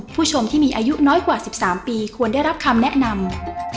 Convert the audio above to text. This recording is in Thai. ผู้ชมที่มีอายุน้อยกว่า๑๓ปีควรได้รับคำแนะนำ